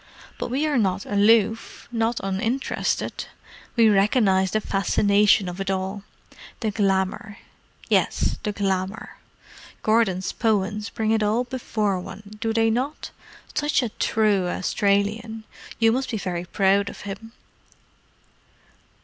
But we are not aloof—not uninterested. We recognize the fascination of it all. The glamour—yes, the glamour. Gordon's poems bring it all before one, do they not? Such a true Australian! You must be very proud of him."